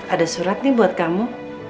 ada surat nih buat kamu